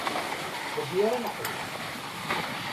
Dagi ara neqqim!